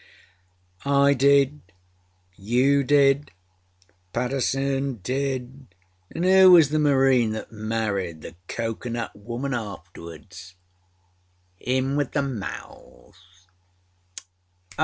âI didâyou didâPaterson didâanâ âoo was the Marine that married the cocoanut woman afterwardsâhim with the mouth?